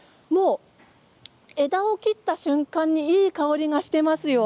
枝を切った瞬間にいい香りがしてますよ。